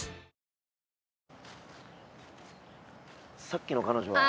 さっきの彼女は。